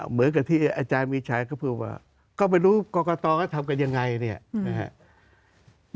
เหมือนกับที่อาจารย์มีชัยก็พูดว่าก็ไม่รู้กรกตก็ทำกันยังไงเนี่ยนะครับ